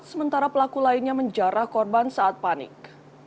sementara pelaku lainnya menjarah korban saat panik